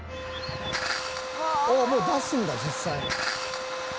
もう出すんだ実際に。